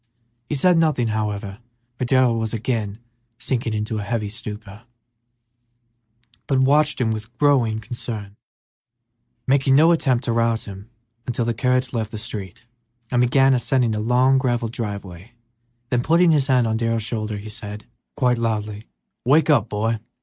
He said nothing, however, for Darrell was again sinking into a heavy stupor, but watched him with growing concern, making no attempt to rouse him until the carriage left the street and began ascending a long gravelled driveway; then putting his hand on Darrell's shoulder, he said, quite loudly, "Wake up, my boy!